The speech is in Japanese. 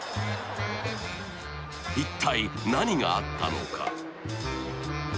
一体、何があったのか？